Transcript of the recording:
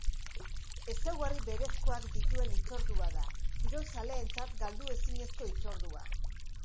Ezaugarri berezkoak dituen hitzordua da, kirolzaleentzat galdu ezinezko hitzordua.